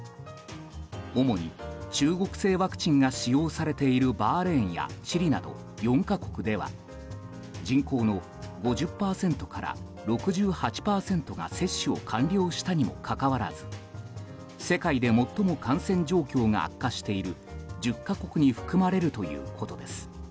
主に、中国製ワクチンが使用されているバーレーンやチリなど４か国では人口の５０％から６８％が接種を完了したにもかかわらず世界で最も感染状況が悪化している１０か国に含まれるということです。